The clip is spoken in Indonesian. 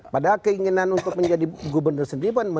padahal keinginan untuk menjadi gubernur sendiri pun menurut cerita